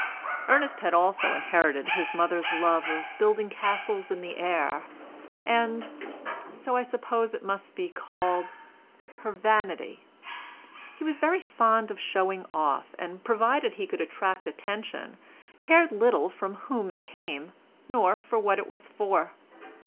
Ernest had also inherited his mother's love of building castles in the air, and—so I suppose it must be called—her vanity. He was very fond of showing off, and, provided he could attract attention, cared little from whom it came, nor what it was for.